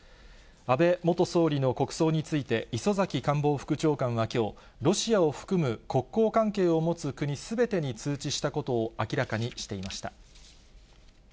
安倍元総理の国葬について、磯崎官房副長官はきょう、ロシアを含む国交関係を持つ国すべてに通知したことを明らかにしていました。